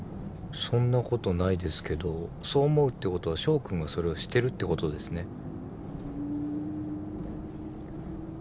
そんなことないですけどそう思うってことは翔君がそれをしてるってことですね。